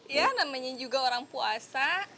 ya namanya juga orang puasa